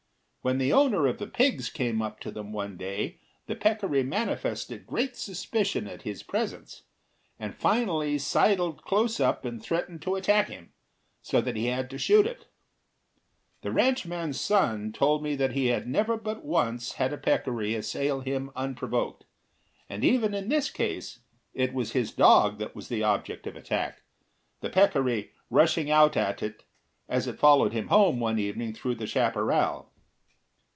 When the owner of the pigs came up to them one day the peccary manifested great suspicion at his presence, and finally sidled close up and threatened to attack him, so that he had to shoot it. The ranchman's son told me that he had never but once had a peccary assail him unprovoked, and even in this case it was his dog that was the object of attack, the peccary rushing out at it as it followed him home one evening through the chaparral.